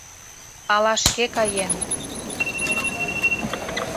Ала шке каен.